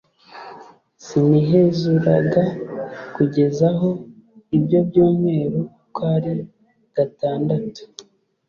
sinihezuraga kugeza aho ibyo byumweru uko ari gatandatu